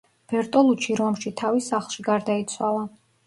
ბერტოლუჩი რომში, თავის სახლში გარდაიცვალა.